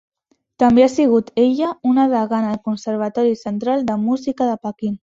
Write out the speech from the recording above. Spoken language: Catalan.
També ha sigut ella una degana al Conservatori Central de Música de Pequín.